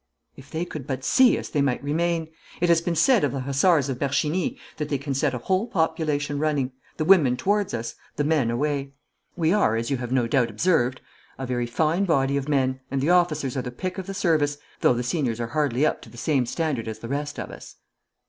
'If they could but see us they might remain. It has been said of the Hussars of Bercheny that they can set a whole population running, the women towards us, the men away. We are, as you have no doubt observed, a very fine body of men, and the officers are the pick of the service, though the seniors are hardly up to the same standard as the rest of us.'